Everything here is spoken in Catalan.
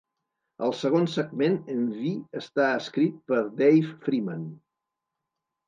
El segon segment, "Envy", està escrit per Dave Freeman.